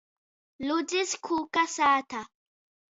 Ludzys kūka sāta.